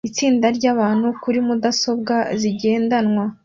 Itsinda ryabantu kuri mudasobwa zigendanwa